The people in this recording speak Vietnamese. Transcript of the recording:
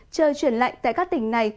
trời chuyển lạnh tại các tỉnh này